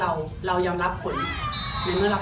เราก็พยายามดูไปแมทต่อแมท